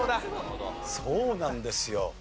そうなんですよ。